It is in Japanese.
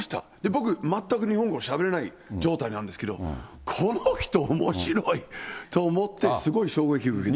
僕、全く日本語しゃべれない状態なんですけど、この人おもしろいと思って、すごい衝撃を受けて。